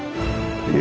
え！